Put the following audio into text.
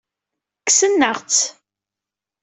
Kksen-aɣ-tt.